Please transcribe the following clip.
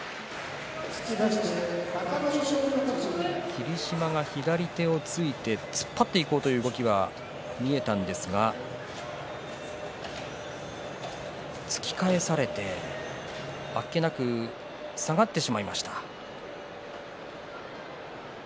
霧島が左手を突いて突っ張っていこうという動きが見えたんですが突き返されてあっけなく下がってしまいました。